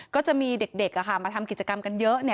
ก็จะมีเด็กมาทำกิจกรรมกันเยอะ